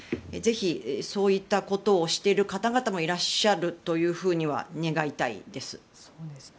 ぜひそういったことをしている方々もいらっしゃるというふうには願いたいです。